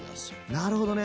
なるほどね。